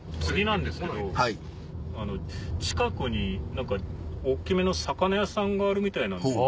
次なんですけど近くに大っきめの魚屋さんがあるみたいなんで。